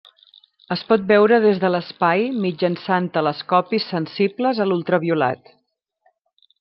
Es pot veure des de l'espai mitjançant telescopis sensibles a l'ultraviolat.